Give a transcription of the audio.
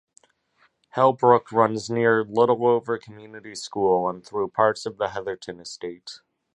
"Hell Brook" runs near Littleover Community School and through parts of the Heatherton estate.